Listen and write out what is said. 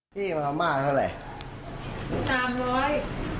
พี่มาทำบ้านเท่าไร